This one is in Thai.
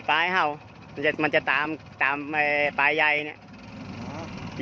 ปลายเห่ามันจะตามปลายใหญ่เนี่ย